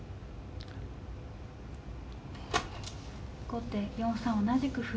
後手４三同じく歩。